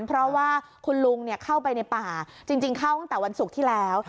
เพราะว่าคุณลุงเข้าไปในป่าจริงเข้าตั้งแต่วันศุกร์ที่แล้ว